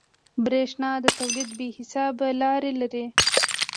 برېښنا د تولید بې حسابه لارې لري.